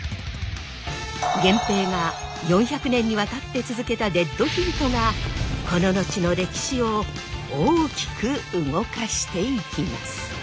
源平が４００年にわたって続けたデッドヒートがこの後の歴史を大きく動かしてゆきます。